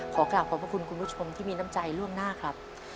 ขอกลับขอบพระคุณคุณผู้ชมที่มีน้ำใจล่วงหน้าครับ